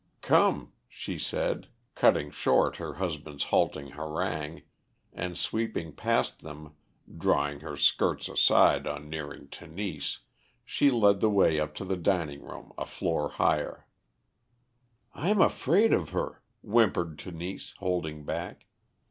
"Come," she said, cutting short her husband's halting harangue, and sweeping past them, drawing her skirts aside on nearing Tenise, she led the way up to the dining room a floor higher. "I'm afraid of her," whimpered Tenise, holding back.